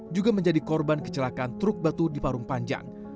juga menjadi korban kecelakaan truk batu di parung panjang